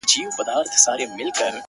• چي سُجده پکي ـ نور په ولاړه کيږي ـ